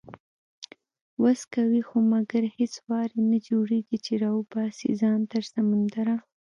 وس کوي خو مګر هیڅ وار یې نه جوړیږي، چې راوباسي ځان تر سمندره